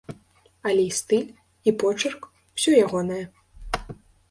Але і стыль, і почырк усё ягонае.